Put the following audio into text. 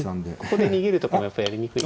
ここで逃げるとかもやっぱりやりにくい。